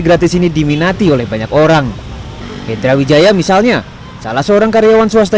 gratis ini diminati oleh banyak orang hendra wijaya misalnya salah seorang karyawan swasta